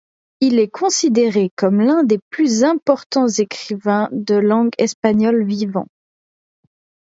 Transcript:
Il est considéré comme l'un des plus importants écrivains de langue espagnole vivants.